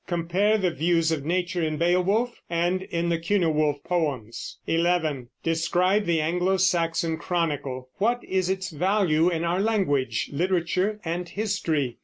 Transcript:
Compare the views of nature in Beowulf and in the Cynewulf poems. 11. Describe the Anglo Saxon Chronicle. What is its value in our language, literature, and history?